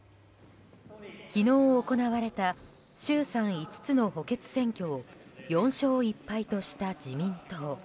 昨日行われた衆参５つの補欠選挙を４勝１敗とした自民党。